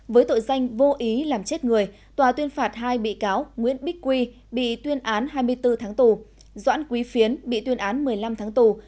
với tội danh vô ý làm chết người tòa tuyên phạt hai bị cáo nguyễn bích quy bị tuyên án hai mươi bốn tháng tù doãn quý phiến bị tuyên án một mươi năm tháng tù